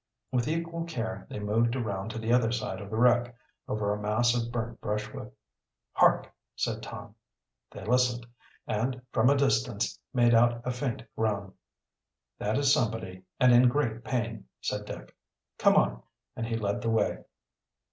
With equal care they moved around to the other side of the wreck, over a mass of burnt brushwood. "Hark!" said Tom. They listened, and, from a distance, made out a faint groan. "That is somebody, and in great pain," said Dick. "Come on," and he led the way.